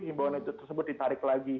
himbauan tersebut ditarik lagi